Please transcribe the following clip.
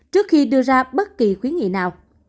trước khi đưa ra bất kỳ khuyến nghị nào